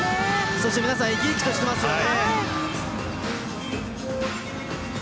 そして、皆さん生き生きとされてますよね。